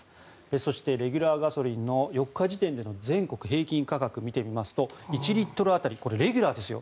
そしてレギュラーガソリンの４日時点での全国平均価格見てみますと１リットル当たりレギュラーですよ